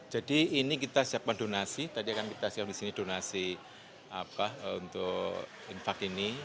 jadi ini kita siapkan donasi tadi kan kita siapkan donasi untuk infak ini